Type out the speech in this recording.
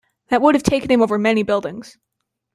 That would have taken him over many buildings.